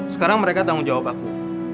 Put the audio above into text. sekarang mereka tanggung jawab aku